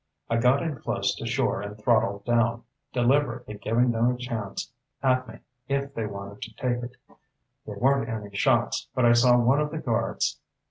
I got in close to shore and throttled down, deliberately giving them a chance at me if they wanted to take it. There weren't any shots, but I saw one of the guards.